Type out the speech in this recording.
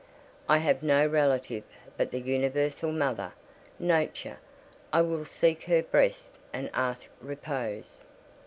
I have no relative but the universal mother, Nature: I will seek her breast and ask repose.